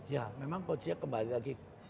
ya memang kuncinya kembali lagi